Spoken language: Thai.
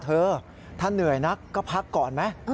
เธอถ้าเหนื่อยนักก็พักก่อนไหม